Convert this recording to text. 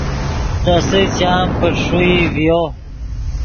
تیسے چام پݯ ݰوئی ڤیو